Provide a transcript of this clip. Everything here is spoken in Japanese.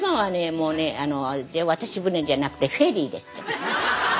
もうね渡し船じゃなくてフェリーですよ。